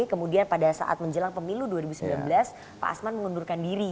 kemudian pada saat menjelang pemilu dua ribu sembilan belas pak asman mengundurkan diri